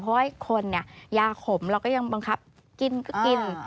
เพราะว่าคนเนี่ยยาขมเราก็ยังบังคับกินก็กิน